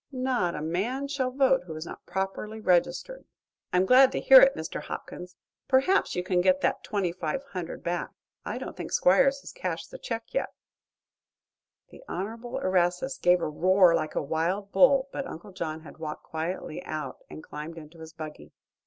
"Not a man shall vote who is not properly registered." "I'm glad to hear it, Mr. Hopkins. Perhaps you can get that twenty five hundred back. I don't think Squiers has cashed the check yet." The Honorable Erastus gave a roar like a wild bull, but Uncle John had walked quietly out and climbed into his buggy.